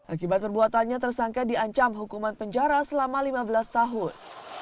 akibat perbuatannya tersangka diancam hukuman penjara selama lima belas tahun